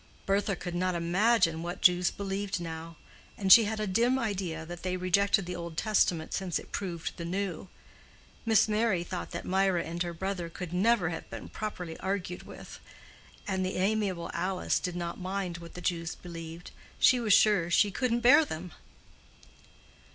Bertha could not imagine what Jews believed now; and she had a dim idea that they rejected the Old Testament since it proved the New; Miss Merry thought that Mirah and her brother could "never have been properly argued with," and the amiable Alice did not mind what the Jews believed, she was sure she "couldn't bear them."